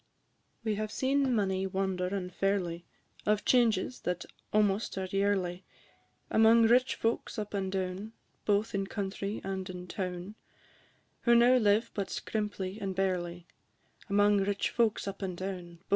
We have seen many wonder and ferly, Of changes that almost are yearly, Among rich folks up and down, Both in country and in town, Who now live but scrimply and barely; Among rich folks up and down, &c.